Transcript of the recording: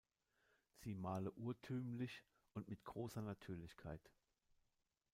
Sie male urtümlich und mit großer Natürlichkeit.